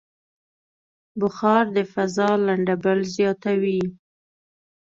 بخار د فضا لندبل زیاتوي.